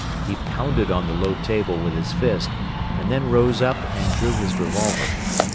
He pounded on the low table with his fist and then rose up and drew his revolver.